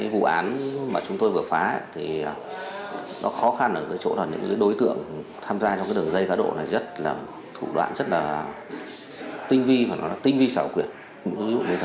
vụ án mà chúng tôi vừa phá thì nó khó khăn ở chỗ là những đối tượng tham gia trong đường dây cá độ này rất là thủ đoạn rất là tinh vi và tinh vi xảo quyệt